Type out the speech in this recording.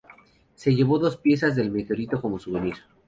Se llevó dos piezas del meteorito como souvenir.